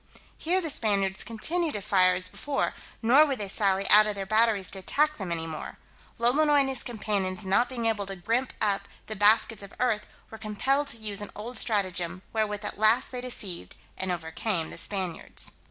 Here the Spaniards continued to fire as before, nor would they sally out of their batteries to attack them any more. Lolonois and his companions not being able to grimp up the baskets of earth, were compelled to use an old stratagem, wherewith at last they deceived and overcame the Spaniards.